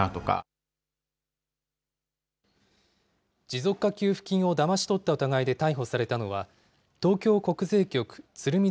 持続化給付金をだまし取った疑いで逮捕されたのは、東京国税局鶴見